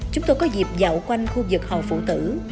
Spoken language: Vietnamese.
chúng tôi có dịp dạo quanh khu vực hòn phụ tử